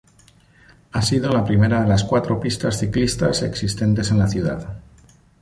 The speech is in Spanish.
Ha sido la primera de las cuatro pistas ciclistas existentes en la ciudad.